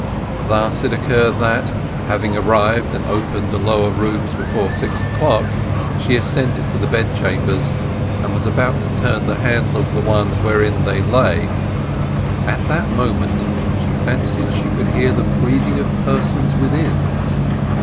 Thus it occurred that, having arrived and opened the lower rooms before six o'clock, she ascended to the bedchambers, and was about to turn the handle of the one wherein they lay. At that moment she fancied she could hear the breathing of persons within.